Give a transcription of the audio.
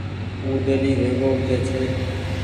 او ڊيلي ويگو اُٺي ڇي۔